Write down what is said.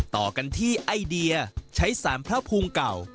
ต่อกันที่ไอเดียใช้สารพระภูมิเก่า